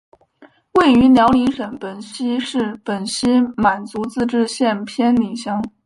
位于辽宁省本溪市本溪满族自治县偏岭乡。